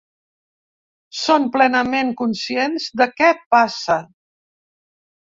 Som plenament conscients de què passa.